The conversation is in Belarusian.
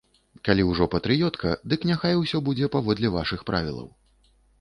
Калі ўжо патрыётка, дык няхай усё будзе паводле вашых правілаў.